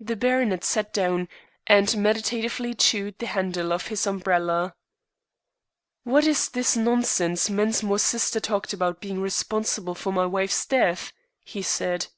The baronet sat down, and meditatively chewed the handle of his umbrella. "What is this nonsense Mensmore's sister talked about being responsible for my wife's death?" he said.